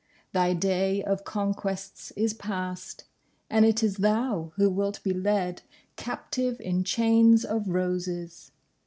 Thy day of conquests is past, and it is thou who wilt be led captive in chains of roses.